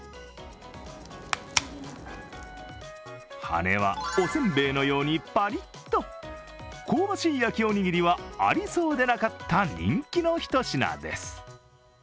羽根はおせんべいのようにパリッと香ばしい焼きおにぎりは、ありそうでなかった人気のひと品です。